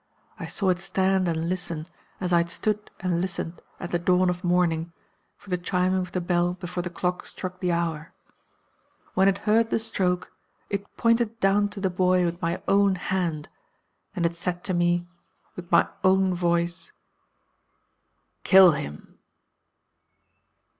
I saw it stand and listen, as I had stood and listened at the dawn of morning, for the chiming of the bell before the clock struck the hour. When it heard the stroke it pointed down to the boy with my own hand; and it said to me, with my own voice, 'Kill him.